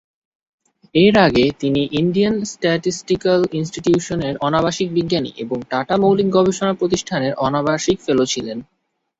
এর আগে তিনি ইন্ডিয়ান স্ট্যাটিস্টিক্যাল ইনস্টিটিউটের অনাবাসিক বিজ্ঞানী এবং টাটা মৌলিক গবেষণা প্রতিষ্ঠানের অনাবাসিক ফেলো ছিলেন।